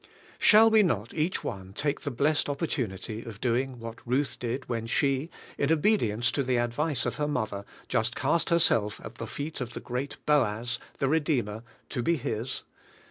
Shall we not each one take the blessed oppor tunity of doing what Ruth did when she, in obe dience to the advice of her mother, just cast 130 DEAD WITH CHRIST herself at the feet of the great Boaz, the Redeemer, to be His?